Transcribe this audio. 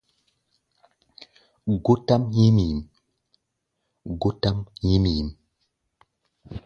Gótʼám nyím nyǐm.